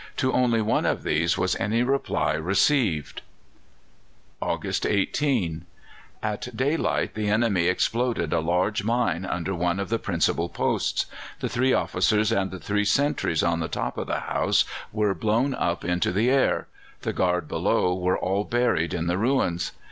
To only one of these was any reply received. August 18. At daylight the enemy exploded a large mine under one of the principal posts. The three officers and three sentries on the top of the house were blown up into the air; the guard below were all buried in the ruins.